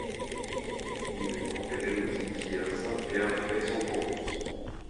Il est enterré au cimetière Saint-Pierre d'Aix-en-Provence.